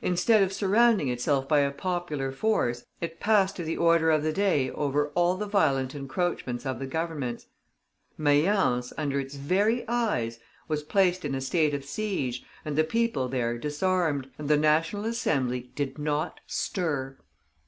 Instead of surrounding itself by a popular force, it passed to the order of the day over all the violent encroachments of the Governments; Mayence, under its very eyes, was placed in a state of siege, and the people there disarmed, and the National Assembly did not stir.